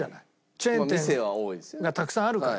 チェーン店がたくさんあるから。